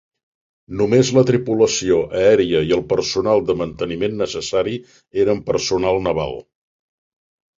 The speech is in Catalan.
Només la tripulació aèria i el personal de manteniment necessari eren personal naval.